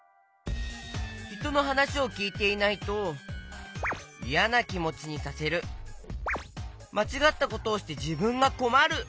ひとのはなしをきいていないとまちがったことをしてじぶんがこまる。